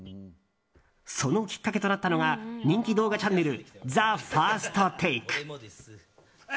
そのきっかけとなったのが人気動画チャンネル「ＴＨＥＦＩＲＳＴＴＡＫＥ」。